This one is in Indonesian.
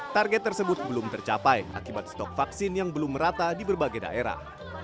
target tersebut belum tercapai akibat stok vaksin yang belum merata di berbagai daerah